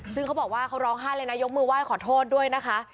ซึ่งเขาบอกว่าเขาร้องไห้เลยนะยกมือไหว้ขอโทษด้วยนะคะ